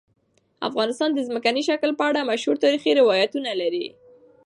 افغانستان د ځمکنی شکل په اړه مشهور تاریخی روایتونه لري.